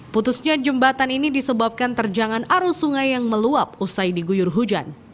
putusnya jembatan ini disebabkan terjangan arus sungai yang meluap usai diguyur hujan